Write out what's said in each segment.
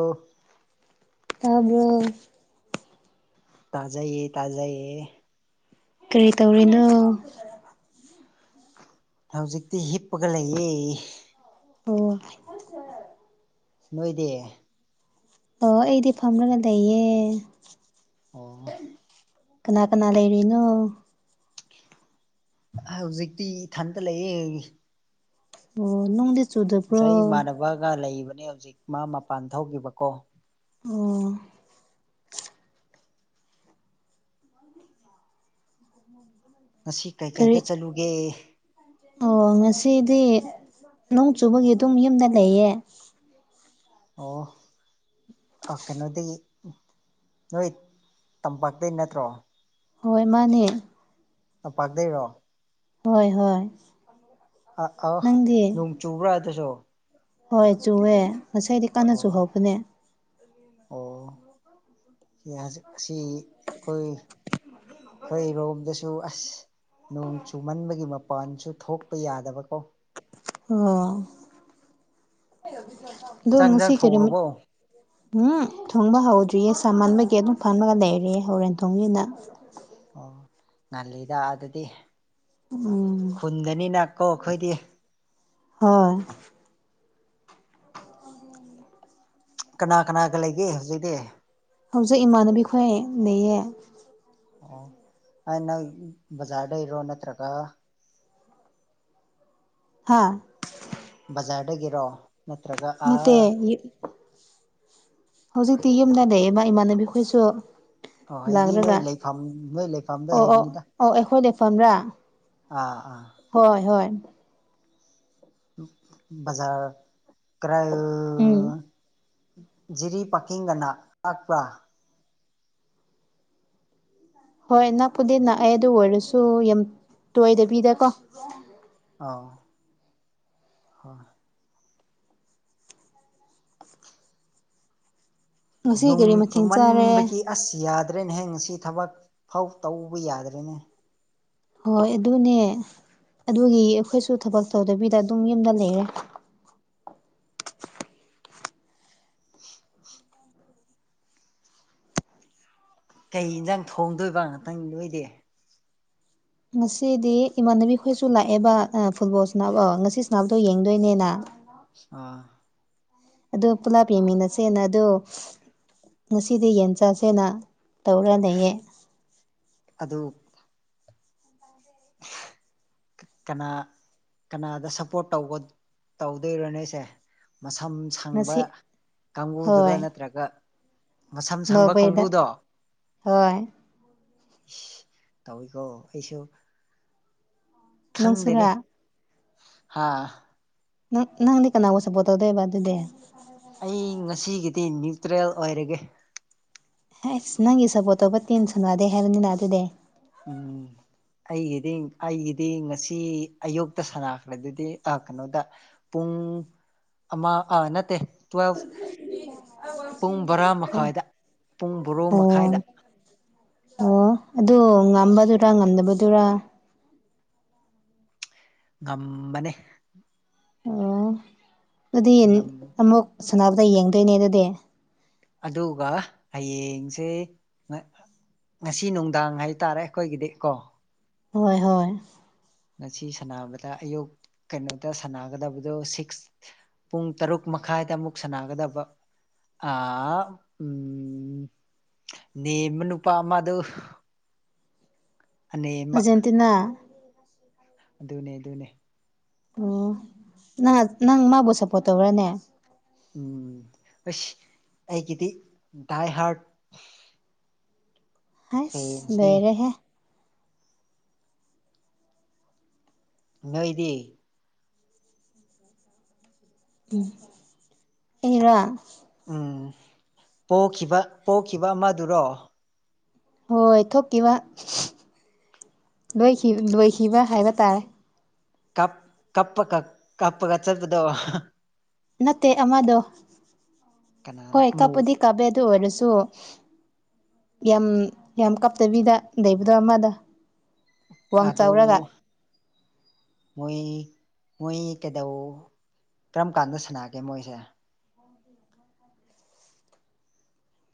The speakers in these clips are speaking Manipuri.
ꯑꯣ ꯇꯥꯕ꯭ꯔꯣ ꯇꯥꯖꯩꯌꯦ ꯇꯥꯖꯩꯌꯦ ꯀꯩ ꯇꯧꯔꯤꯅꯣ ꯍꯧꯖꯤꯛꯇꯤ ꯍꯤꯞꯄꯒ ꯂꯩꯌꯦ ꯑꯣ ꯅꯣꯏꯗꯤ ꯑꯣ ꯑꯩꯗꯤ ꯐꯝꯔꯒ ꯂꯩꯌꯦ ꯑꯣ ꯀꯅꯥ ꯀꯅꯥ ꯂꯩꯔꯤꯅꯣ ꯍꯧꯖꯤꯛꯇꯤ ꯏꯊꯟꯇ ꯂꯩꯌꯦ ꯑꯣ ꯅꯣꯡꯗꯤ ꯆꯨꯗꯕ꯭ꯔꯣ ꯉꯁꯥꯏ ꯏꯃꯥꯟꯅꯕꯒ ꯂꯩꯕꯅꯦ ꯍꯧꯖꯤꯛ ꯃꯥ ꯃꯄꯥꯟ ꯊꯣꯛꯈꯤꯕꯀꯣ ꯑꯣ ꯉꯁꯤ ꯀꯩ ꯀꯔꯤ ꯀꯩꯗ ꯆꯠꯂꯨꯒꯦ ꯑꯣ ꯉꯁꯤꯗꯤ ꯅꯣꯡ ꯆꯨꯕꯒꯤ ꯑꯗꯨꯝ ꯌꯨꯝꯗ ꯂꯩꯌꯦ ꯑꯣ ꯑꯥ ꯀꯩꯅꯣꯗꯤ ꯅꯣꯏ ꯇꯝꯄꯥꯛꯇꯩ ꯅꯠꯇ꯭ꯔꯣ ꯍꯣꯏ ꯃꯥꯅꯦ ꯇꯝꯄꯥꯛ ꯗꯩꯔꯣ ꯍꯣꯏ ꯍꯣꯏ ꯑꯥ ꯑꯣ ꯅꯪꯗꯤ ꯅꯣꯡ ꯆꯨꯕ꯭ꯔꯥ ꯑꯗꯨꯁꯨ ꯍꯣꯏ ꯆꯨꯌꯦ ꯉꯁꯥꯏꯗꯤ ꯀꯟꯅ ꯑꯣ ꯆꯨꯍꯧꯕꯅꯦ ꯑꯣ ꯌꯥꯖꯦ ꯑꯁꯤ ꯈꯣꯏ ꯈꯣꯏ ꯔꯣꯝꯗꯁꯨ ꯑꯁ ꯅꯣꯡ ꯆꯨꯃꯟꯕꯒꯤ ꯃꯄꯥꯟꯁꯨ ꯊꯣꯛꯄ ꯌꯥꯗꯕꯀꯣ ꯑꯣ ꯑꯗꯨ ꯆꯥꯛ ꯉꯁꯤ ꯏꯟꯖꯥꯡ ꯀꯔꯤ ꯃꯠ ꯊꯣꯡꯔꯕꯣ ꯎꯝ ꯊꯣꯡꯕ ꯍꯧꯗ꯭ꯔꯤꯌꯦ ꯁꯥꯃꯟꯕꯒꯤ ꯑꯗꯨꯝ ꯐꯝꯂꯒ ꯂꯩꯔꯤꯌꯦ ꯍꯣꯔꯦꯟ ꯊꯣꯡꯅꯤꯅ ꯑꯣ ꯉꯜꯂꯤꯗꯥ ꯑꯗꯨꯗꯤ ꯎꯝ ꯈꯨꯟꯗꯅꯤꯅ ꯀꯣ ꯑꯈꯣꯏꯗꯤ ꯍꯣꯏ ꯀꯅꯥ ꯀꯅꯥꯒ ꯂꯩꯒꯦ ꯍꯧꯖꯤꯛꯇꯤ ꯍꯧꯖꯤꯛ ꯏꯃꯥꯟꯅꯕꯤꯈꯣꯏ ꯂꯩꯌꯦ ꯑꯣ ꯑꯥ ꯅꯪ ꯕꯖꯥꯔꯗꯩꯔꯣ ꯅꯠꯇ꯭ꯔꯒ ꯍꯥꯥ ꯕꯖꯥꯔꯗꯒꯤꯔꯣ ꯅꯠꯇ꯭ꯔꯒ ꯅꯠꯇꯦ ꯑꯥ ꯌꯤ ꯍꯧꯖꯤꯛꯇꯤ ꯌꯨꯝꯗ ꯂꯩꯌꯦꯕ ꯏꯃꯥꯟꯅꯕꯤ ꯈꯣꯏꯁꯨ ꯑꯣ ꯍꯥꯏꯗꯤ ꯅꯣꯏ ꯂꯥꯛꯂꯒ ꯂꯩꯐꯝ ꯅꯣꯏ ꯂꯩꯐꯝꯗꯣ ꯑꯣ ꯑꯣ ꯍꯥꯏꯕꯅꯤꯗꯥ ꯑꯣ ꯑꯩꯈꯣꯏ ꯂꯩꯐꯝꯔꯥ ꯑꯥ ꯑꯥ ꯍꯣꯏ ꯍꯣꯏ ꯕꯖꯥꯔ ꯀꯔꯥꯢ ꯎꯝ ꯖꯤꯔꯤ ꯄꯥꯀꯤꯡꯒꯅ ꯅꯛꯕ꯭ꯔꯥ ꯍꯣꯏ ꯅꯛꯄꯨꯗꯤ ꯅꯛꯑꯦ ꯑꯗꯨ ꯑꯣꯏꯔꯁꯨ ꯌꯥꯝ ꯇꯣꯏꯗꯕꯤꯗꯀꯣ ꯑꯧ ꯍꯣꯏ ꯉꯁꯤ ꯅꯣꯡ ꯀꯔꯤ ꯃꯊꯦꯜ ꯆꯥꯔꯦ ꯆꯨꯃꯟꯕꯒꯤ ꯑꯁ ꯌꯥꯗ꯭ꯔꯦꯅꯦꯍꯦ ꯉꯁꯤ ꯊꯕꯛ ꯐꯥꯎ ꯇꯧꯕ ꯌꯥꯗ꯭ꯔꯦꯅꯦ ꯍꯣꯏ ꯑꯗꯨꯅꯦ ꯑꯗꯨꯒꯤ ꯑꯩꯈꯣꯏꯁꯨ ꯊꯕꯛ ꯇꯧꯗꯕꯤꯗ ꯑꯗꯨꯝ ꯌꯨꯝꯗ ꯂꯩꯔꯦ ꯀꯩ ꯏꯟꯖꯥꯡ ꯊꯣꯡꯗꯣꯏꯕ ꯉꯥꯛꯇꯪ ꯅꯣꯏꯗꯤ ꯉꯁꯤꯗꯤ ꯏꯃꯥꯟꯅꯕꯤ ꯈꯣꯏꯁꯨ ꯂꯥꯛꯑꯦꯕ ꯑꯥ ꯐꯨꯠꯕꯣꯜ ꯁꯥꯅꯕ ꯉꯁꯤ ꯁꯥꯅꯕꯗꯣ ꯌꯦꯡꯗꯣꯏꯅꯦꯅ ꯑꯥ ꯑꯗꯣ ꯄꯨꯂꯥꯞ ꯌꯦꯡꯃꯤꯟꯅꯁꯦꯅ ꯑꯗꯣ ꯉꯁꯤꯗꯤ ꯌꯦꯟ ꯆꯥꯁꯦꯅ ꯇꯧꯔꯒ ꯂꯩꯌꯦ ꯑꯗꯨ [inaudible] ꯀꯅꯥ ꯀꯅꯥꯗ ꯁꯞꯄꯣꯔꯠ ꯇꯧꯒ ꯇꯧꯗꯣꯏꯔꯣ ꯅꯣꯏꯁꯦ ꯃꯁꯝ ꯁꯪꯕ ꯉꯁꯤ ꯀꯥꯡꯕꯨꯗꯨꯔ ꯍꯣꯏ ꯅꯠꯇ꯭ꯔꯒ ꯃꯁꯝ ꯁꯪꯕ ꯅꯣꯔꯋꯦꯗ ꯀꯥꯡꯕꯨꯗꯣ ꯍꯣꯏ ꯏꯁ ꯇꯧꯋꯤꯀꯣ ꯑꯩꯁꯨ ꯈꯪꯗꯦꯅꯦ ꯅꯪꯁꯨꯔꯥ ꯍꯥ ꯅꯪ ꯅꯪꯗꯤ ꯀꯅꯥꯕꯨ ꯁꯞꯄꯣꯔꯠ ꯇꯧꯗꯣꯏꯕ ꯑꯗꯨꯗꯤ ꯑꯩ ꯉꯁꯤꯒꯤꯗꯤ ꯅ꯭ꯌꯨꯇ꯭ꯔꯦꯜ ꯑꯣꯏꯔꯒꯦ ꯍꯩꯁ ꯅꯪꯒꯤ ꯁꯞꯄꯣꯔꯠ ꯇꯧꯕ ꯇꯤꯝ ꯁꯥꯅꯗꯦ ꯍꯥꯏꯕꯅꯤꯅ ꯑꯗꯨꯗꯤ ꯎꯝ ꯑꯩꯒꯤꯗꯤ ꯑꯩꯒꯤꯗꯤ ꯉꯁꯤ ꯑꯌꯨꯛꯇ ꯁꯥꯟꯅꯥꯈ꯭ꯔꯗꯨꯗꯤ ꯑꯥ ꯀꯩꯅꯣꯗ ꯄꯨꯡ ꯑꯃ ꯑꯥ ꯅꯠꯇꯦ ꯇꯨꯋꯦꯜꯐ ꯄꯨꯡ ꯕꯔꯥ ꯃꯈꯥꯏꯗ ꯄꯨꯡ ꯕꯣꯔꯣ ꯃꯈꯥꯏꯗ ꯑꯣ ꯑꯣ ꯑꯗꯨ ꯉꯝꯕꯗꯨꯔꯥ ꯉꯝꯗꯕꯗꯨꯔꯥ ꯉꯝꯕꯅꯦ ꯑꯣ ꯑꯗꯨ ꯑꯃꯨꯛ ꯁꯥꯟꯅꯕꯗ ꯌꯦꯡꯗꯣꯏꯅꯦ ꯑꯗꯨꯗꯤ ꯑꯗꯨꯒ ꯍꯌꯦꯡꯁꯦ ꯉꯁꯤ ꯅꯨꯡꯗꯥꯡ ꯍꯥꯏꯇꯥꯔꯦ ꯑꯈꯣꯏꯒꯤꯗꯤ ꯀꯣ ꯍꯣꯏ ꯍꯣꯏ ꯉꯁꯤ ꯁꯥꯟꯅꯕꯗ ꯑꯌꯨꯛ ꯀꯩꯅꯣꯗ ꯁꯥꯟꯅꯒꯗꯕꯗꯣ ꯁꯤꯛꯁ ꯄꯨꯡ ꯇꯔꯨꯛ ꯃꯈꯥꯏꯗ ꯑꯃꯨꯛ ꯁꯥꯟꯅꯒꯗꯕ ꯑꯥ ꯎꯝ ꯅꯦꯝꯕ ꯅꯨꯄꯥ ꯑꯃꯗꯣ ꯑꯅꯦꯝꯕ [unintelligible] ꯑꯗꯨꯅꯦ ꯑꯗꯨꯅꯦ ꯑꯣ ꯅ ꯅꯪ ꯃꯥꯕꯨ ꯁꯞꯄꯣꯔꯠ ꯇꯧꯕ꯭ꯔꯅꯦ ꯎꯝ ꯑꯩꯁ ꯑꯩꯒꯤꯗꯤ ꯗꯥꯏ ꯍꯥꯔꯠ ꯍꯥꯏꯁ ꯐꯦꯟꯁꯅꯦ ꯂꯣꯏꯔꯦꯍꯦ ꯅꯣꯏꯗꯤ ꯎꯝ ꯑꯩꯔꯥ ꯎꯝ ꯄꯣꯈꯤꯕ ꯄꯣꯈꯤꯕ ꯑꯃꯗꯨꯔꯣ ꯍꯣꯏ ꯊꯣꯛꯈꯤꯕ ꯂꯣꯏꯈꯤ ꯂꯣꯏꯈꯤꯕ ꯍꯥꯏꯕꯇꯥꯔꯦ ꯀꯞ ꯀꯞꯄꯀꯥ ꯀꯞꯄꯒ ꯆꯠꯄꯗꯣ ꯅꯠꯇꯦ ꯑꯃꯗꯣ, ꯀꯅꯥꯅ ꯍꯣꯏ ꯑꯃꯨꯛ ꯀꯥꯞꯄꯨꯗꯤ ꯀꯞꯄꯦ ꯑꯗꯨ ꯑꯣꯏꯔꯁꯨ ꯌꯥꯝ ꯌꯥꯝ ꯀꯞꯇꯕꯤꯗ ꯂꯩꯕꯗꯣ ꯑꯃꯗꯣ ꯋꯥꯡ ꯑꯗꯨ ꯆꯥꯎꯔꯒ [inaudible] ꯃꯣꯏ ꯃꯣꯏ ꯀꯩꯗꯧ ꯀꯔꯝ ꯀꯥꯟꯗ ꯁꯥꯟꯅꯒꯦ ꯃꯣꯏꯁꯦ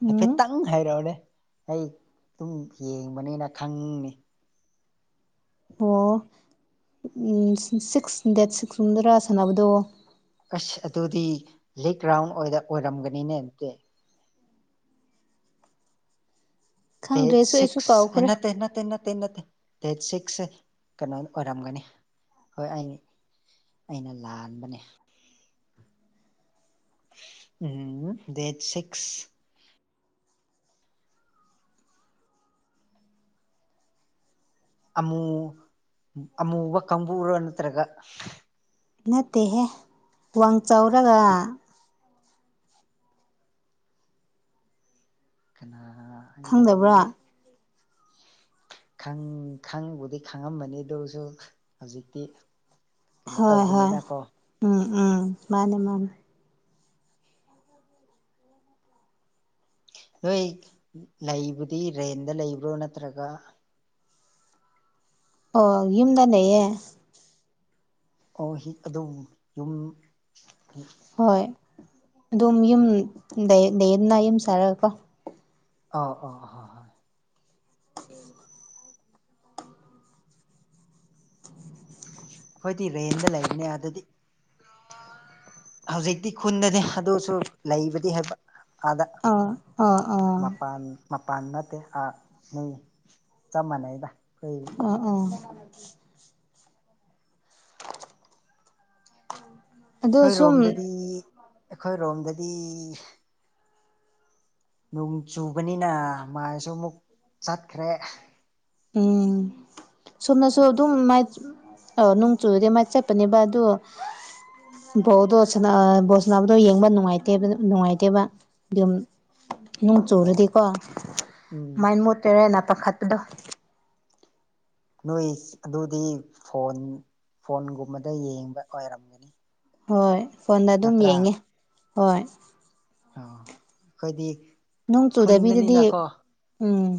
ꯎꯝ ꯍꯥꯏꯐꯦꯠꯇꯪ ꯍꯩꯔꯛꯑꯣꯅꯦ ꯑꯩ ꯑꯗꯨꯝ ꯌꯦꯡꯕꯅꯦꯅ ꯈꯪꯅꯤ ꯑꯣ ꯎꯝ ꯁꯤꯛꯁ ꯗꯦꯠ ꯁꯤꯛꯁ ꯀꯨꯝꯕꯗꯔꯥ ꯁꯥꯟꯅꯕꯗꯣꯕꯨ ꯑꯁ ꯑꯗꯨꯗꯤ ꯂꯤꯛ ꯔꯥꯎꯟ ꯑꯣꯏꯔꯝꯒꯅꯤꯅꯦ ꯑꯗꯨꯗꯤ ꯗꯦꯠ ꯈꯪꯗ꯭ꯔꯦꯁꯨ ꯑꯩꯁꯨ ꯁꯤꯛꯁ ꯑꯦ ꯀꯥꯎꯈ꯭ꯔꯦ ꯅꯠꯇꯦ ꯅꯠꯇꯦ ꯅꯠ ꯇꯦ ꯅꯠꯇꯦ ꯗꯦꯠ ꯁꯤꯛꯁꯁꯦ ꯀꯩꯅꯣ ꯑꯣꯢꯔꯝꯒꯅꯤ ꯍꯣꯢ ꯑꯩꯅꯤ ꯑꯩꯅ ꯂꯥꯟꯕꯅꯦ ꯎꯝ ꯗꯦꯠ ꯁꯤꯛꯁ ꯑꯃꯨ ꯑꯃꯨꯕ ꯀꯥꯡꯕꯨꯔꯣ ꯅꯠꯇ꯭ꯔꯒ ꯅꯠꯇꯦꯍꯦ ꯋꯥꯡ ꯆꯥꯎꯔꯒ ꯀꯅꯥꯔꯥ ꯈꯪꯗꯕ꯭ꯔꯥ ꯍꯥꯏꯔꯤ ꯈꯪ ꯈꯪꯕꯨꯗꯤ ꯈꯪꯉꯝꯃꯅꯤ ꯑꯗꯨꯁꯨ ꯍꯧꯖꯤꯛꯇꯤ ꯀꯩꯅꯣ ꯍꯣꯢ ꯍꯣꯢ ꯇꯧꯕꯅꯤꯅꯀꯣ ꯎꯝ ꯎꯝ ꯃꯥꯅꯦ ꯃꯥꯅꯦ ꯅꯣꯢ ꯂꯩꯕꯗꯤ ꯔꯦꯟꯗ ꯂꯩꯕ꯭ꯔꯣ ꯅꯠꯇ꯭ꯔꯒ ꯑꯣ ꯌꯨꯝꯗ ꯂꯩꯌꯦ ꯑꯣ ꯍꯤ ꯑꯗꯨꯕꯨ ꯌꯨꯝ ꯍꯣꯢ ꯑꯗꯨꯝ ꯌꯨꯝ ꯂꯩ ꯂꯩꯌꯦꯅꯥ ꯌꯨꯝ ꯁꯥꯔꯒꯀꯣ ꯑꯧ ꯑꯧ ꯍꯣꯏ꯫ [inaudible] ꯈꯣꯢꯗꯤ ꯔꯦꯟꯗ ꯂꯩꯕꯅꯦ ꯑꯥꯗꯗꯤ ꯍꯧꯖꯤꯛꯇꯤ ꯈꯨꯟꯗꯅꯦ ꯑꯗꯨꯁꯨ ꯂꯩꯕꯗꯤ ꯍꯥꯢꯕ ꯑꯥꯗ ꯑꯥ ꯑꯥ ꯑꯥ ꯃꯄꯥꯟ ꯃꯄꯥꯟ ꯅꯠꯇꯦ ꯑ ꯃꯤ ꯆꯞ ꯃꯥꯟꯅꯩꯗ ꯑꯩꯈꯣꯏ ꯑ ꯑꯥ ꯑꯗꯣ ꯈꯣꯢ ꯁꯨꯝ ꯔꯣꯝꯗꯗꯤ ꯑꯩꯈꯣꯢ ꯔꯣꯝꯗꯗꯤ ꯅꯣꯡ ꯆꯨꯕꯅꯤꯅ ꯃꯥꯥꯁꯨ ꯑꯃꯨꯛ ꯆꯠꯈ꯭ꯔꯦ ꯎꯝ ꯁꯣꯝꯅꯁꯨ ꯑꯗꯨꯝ ꯃꯥꯢ ꯑ ꯅꯣꯡ ꯆꯨꯨꯔꯗꯤ ꯃꯥꯢ ꯆꯠꯄꯅꯦꯕ ꯑꯗꯣ ꯕꯣꯜꯗꯣ ꯁꯥꯅ ꯕꯣꯜ ꯁꯥꯅꯕꯗꯣ ꯌꯦꯡꯕ ꯅꯨꯡꯉꯥꯢꯇꯦꯕ ꯅꯨꯡꯉꯥꯢꯇꯦꯕ ꯗꯨꯝ ꯅꯣꯡ ꯑꯣ ꯆꯨꯔꯗꯤꯀꯣ ꯎꯝ ꯑꯗꯨꯃꯥꯢꯟ ꯃꯣꯠꯇꯣꯢꯔꯅ ꯄꯥꯈꯠꯄꯗꯣ ꯅꯣꯢ ꯑꯗꯨꯗꯤ ꯐꯣꯟ, ꯐꯣꯟꯒꯨꯝꯕꯗ ꯌꯦꯡꯕ ꯑꯣꯢꯔꯝꯒꯅꯤ ꯍꯣꯢ ꯐꯣꯟꯗ ꯑꯗꯨꯝ ꯌꯦꯡꯉꯦ ꯍꯣꯢ ꯑꯣ ꯈꯣꯢꯗꯤ ꯅꯣꯡ ꯆꯨꯗꯕꯤꯗꯗꯤ ꯎꯝ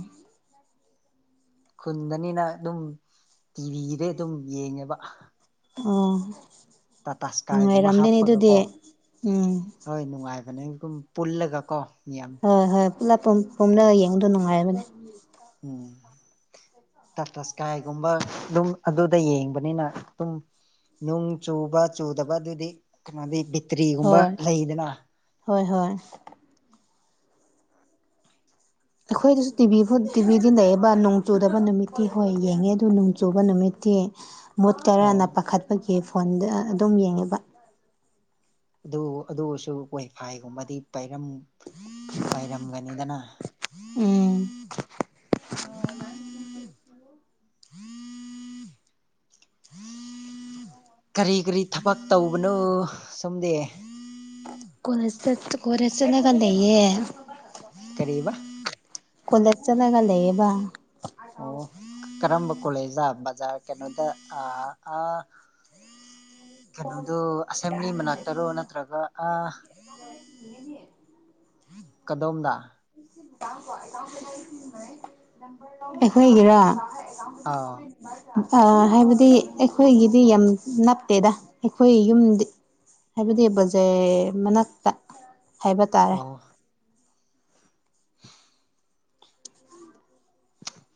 ꯈꯨꯟꯗꯅꯤꯅ ꯑꯗꯨꯝ ꯇꯤꯚꯤꯗ ꯑꯗꯨꯝ ꯌꯦꯡꯉꯦꯕ ꯑꯣ ꯇꯥꯇꯥ ꯏꯁꯀꯥꯏꯒꯨꯝꯕ ꯅꯨꯡꯉꯥꯢꯔꯝꯗꯨꯏꯅꯦ ꯑꯗꯨꯗꯤ ꯎꯝ ꯍꯣꯢ ꯅꯨꯡꯉꯥꯢꯕꯅꯦ ꯗꯨꯨꯝ ꯄꯨꯜꯂꯒꯀꯣ ꯃꯤꯌꯥꯝ ꯍꯣꯢ ꯍꯣꯢ ꯄꯨꯂꯞ ꯄꯨꯝ ꯄꯨꯝꯅ ꯌꯦꯡꯕꯗꯣ ꯅꯨꯡꯉꯥꯢꯕꯅꯦ ꯑꯝ ꯇꯠꯇ ꯁ꯭ꯀꯥꯢꯒꯨꯝꯕ ꯑꯗꯨꯝ ꯑꯗꯨꯗ ꯌꯦꯡꯕꯅꯤꯅ ꯑꯗꯨꯝ ꯅꯨꯡ ꯆꯨꯕ ꯆꯨꯗꯕ ꯑꯗꯨꯗꯤ ꯀꯩꯅꯣꯗꯤ ꯕꯤꯠꯇ꯭ꯔꯤꯒꯨꯝꯕ ꯂꯩꯗꯅ ꯍꯣꯢ ꯍꯣꯢ ꯑꯩꯈꯣꯢꯗꯁꯨ ꯇꯤꯚꯤ ꯐꯨꯠ ꯇꯤꯚꯤꯗꯤ ꯂꯩꯌꯦ ꯕ ꯅꯣꯡ ꯆꯨꯗꯕ ꯅꯨꯃꯤꯠꯇꯤ ꯍꯣꯢ ꯌꯦꯡꯉꯦ ꯑꯗꯨ ꯅꯣꯡ ꯆꯨꯕ ꯅꯨꯃꯤꯠꯇꯤ ꯑꯣ ꯃꯨꯠꯀꯥꯔꯅ ꯄꯥꯈꯠ ꯒꯤ ꯐꯣꯟꯗ ꯑꯗꯨꯝ ꯌꯦꯡꯉꯦꯕ ꯑꯗꯨ ꯑꯗꯨꯑꯣꯢꯁꯨ ꯋꯥꯢꯐꯥꯢꯒꯨꯝꯕꯗꯤ ꯄꯔꯝ ꯄꯥꯏꯔꯝꯒꯅꯤꯗꯅ ꯎꯝ [inaudible] ꯀꯔꯤ ꯀꯔꯤ ꯊꯕꯛ ꯇꯧꯕꯅꯣ ꯁꯣꯝꯗꯤ ꯀꯣꯂꯦꯖ ꯆꯠ ꯀꯣꯂꯦꯖ ꯆꯠꯂꯒ ꯂꯩꯌꯦ ꯀꯔꯤꯕ ꯀꯣꯂꯦꯖ ꯆꯠꯂꯒ ꯂꯩꯌꯦꯕ ꯑꯣ ꯀꯔꯝꯕ ꯀꯣꯂꯦꯖꯗ ꯕꯖꯥꯔ ꯀꯩꯅꯣꯗ ꯑ ꯑꯥ ꯀꯩꯅꯣꯗꯣ ꯑꯁꯦꯝꯕ꯭ꯂꯤ ꯃꯅꯥꯛꯇꯔꯣ ꯅꯠꯇ꯭ꯔꯒ ꯑꯥ [unintelligible] ꯀꯗꯣꯝꯗ ꯑꯩꯈꯣꯏꯒꯤꯔꯣ ꯑꯥꯎ ꯑꯥ ꯍꯥꯏꯕꯗꯤ ꯑꯩꯈꯣꯏꯒꯤꯗꯤ ꯌꯥꯝ ꯅꯞꯇꯦꯗ ꯑꯩꯈꯣꯏ ꯌꯨꯝꯗꯤ ꯍꯥꯏꯕꯗꯤ ꯕꯖꯥꯔ ꯃꯅꯛꯇ ꯍꯥꯏꯕ ꯇꯥꯔꯦ ꯑꯣ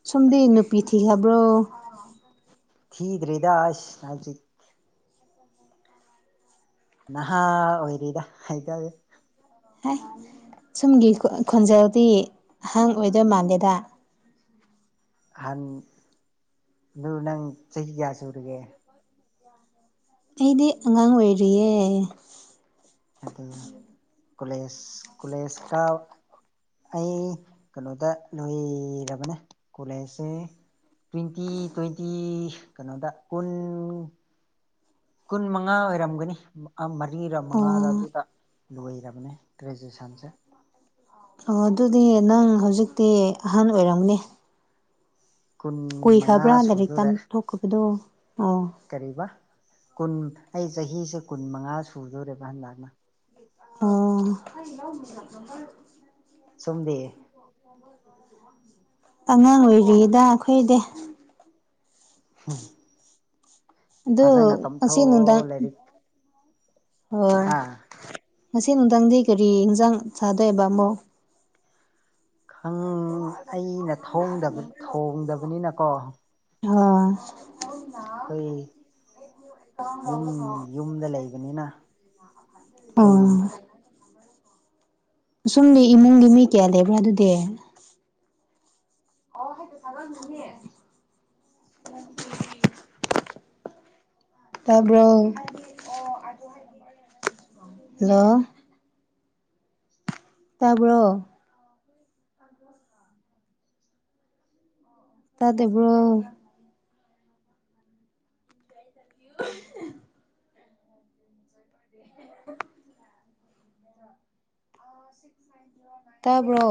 ꯁꯨꯝꯗꯤ ꯅꯨꯄꯤ ꯊꯤꯈꯕ꯭ꯔꯣ ꯊꯤꯗ꯭ꯔꯤꯗ ꯑꯁ ꯍꯧꯖꯤꯛ ꯅꯍꯥ ꯑꯣꯏꯔꯤꯗ ꯍꯥꯏꯇꯥꯔꯦ ꯍꯥꯏ ꯁꯣꯝꯒꯤ ꯈꯣꯟꯖꯦꯜꯗꯤ ꯑꯍꯥꯟ ꯑꯣꯏꯗꯣꯏ ꯃꯟꯗꯦꯗ ꯑꯍꯥꯟ ꯑꯗꯨ ꯅꯪ ꯆꯍꯤ ꯀꯌꯥ ꯁꯨꯔꯒꯦ ꯑꯩꯗꯤ ꯑꯉꯥꯡ ꯑꯣꯏꯔꯤꯌꯦ ꯑꯗꯨ ꯀꯣꯂꯦꯖ ꯀꯣꯂꯦꯖ ꯀꯥꯕ ꯑꯩ ꯀꯩꯅꯣꯗ ꯂꯣꯏꯔꯕꯅꯦ ꯀꯣꯂꯦꯖꯁꯦ ꯇ꯭ꯋꯦꯟꯇꯤ ꯇ꯭ꯋꯦꯟꯇꯤ ꯀꯩꯅꯣꯗ ꯀꯨꯟ ꯀꯨꯟ ꯃꯉꯥ ꯑꯣꯏꯔꯝꯒꯅꯤ ꯃꯔꯤꯔ ꯃꯉꯥꯔ ꯑꯣ ꯑꯗꯨꯗ ꯂꯣꯏꯔꯕꯅꯦ ꯒ꯭ꯔꯦꯖꯨꯌꯦꯁꯟꯁꯦ ꯑꯣ ꯑꯗꯨꯗꯤ ꯅꯪ ꯍꯧꯖꯤꯛꯇꯤ ꯑꯍꯟ ꯑꯣꯏꯔꯝꯅꯤ ꯀꯨꯟ ꯃꯉꯥ ꯂꯥꯏꯔꯤꯛ ꯁꯨꯗꯣꯔꯦ ꯇꯝꯊꯣꯛꯈꯤꯕꯗꯣ ꯑꯣ ꯀꯔꯤꯕ ꯀꯨꯟ ꯑꯩ ꯆꯍꯤꯁꯦ ꯀꯨꯟ ꯃꯉꯥ ꯁꯨꯗꯣꯔꯦꯕ ꯍꯟꯗꯛꯅ ꯑꯣ ꯁꯣꯝꯗꯤ ꯑꯉꯥꯡ ꯑꯣꯏꯔꯤꯗ ꯑꯈꯣꯏꯗꯤ ꯍꯝ [unintelligible] ꯑꯗꯨ ꯉꯁꯤ ꯇꯝꯊꯣꯛꯑꯣ ꯅꯨꯡꯗꯥꯡ ꯂꯥꯏꯔꯤꯛ ꯍꯣꯏ ꯍꯥ ꯉꯁꯤ ꯅꯨꯡꯗꯥꯡꯗꯤ ꯀꯔꯤ ꯏꯟꯖꯡ ꯆꯥꯗꯣꯏꯕ ꯑꯃꯨꯛ ꯈꯪ ꯑꯩꯅ ꯊꯣꯡꯗꯕ ꯊꯣꯡꯗꯕꯅꯤꯅꯀꯣ ꯑꯣ ꯀꯩ ꯌꯨꯝ ꯌꯨꯝꯗ ꯂꯩꯕꯅꯤꯅ ꯑꯣ ꯀꯩ ꯁꯨꯝꯗꯤ ꯏꯃꯨꯡꯒꯤ ꯃꯤ ꯀꯌꯥ ꯂꯩꯕ꯭ꯔ ꯑꯗꯨꯗꯤ [unintelligible] ꯇꯕ꯭ꯔꯣ ꯍꯜꯂꯣ ꯇꯕ꯭ꯔꯣ ꯇꯗꯕ꯭ꯔꯣ [unintelligible] [unintelligible] ꯇꯕ꯭ꯔꯣ